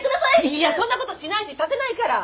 いやそんなことしないしさせないから！